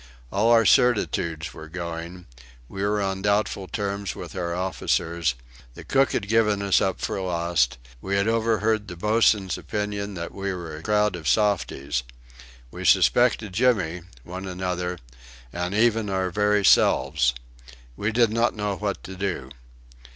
All our certitudes were going; we were on doubtful terms with our officers; the cook had given us up for lost; we had overheard the boatswain's opinion that "we were a crowd of softies." We suspected Jimmy, one another, and even our very selves. We did not know what to do.